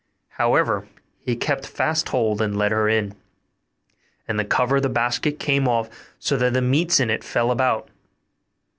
However, he kept fast hold, and led her in; and the cover of the basket came off, so that the meats in it fell about.